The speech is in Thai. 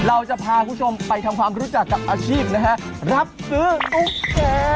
เราจะพาคุณผู้ชมไปทำความรู้จักกับอาชีพนะฮะรับซื้อตุ๊กแก่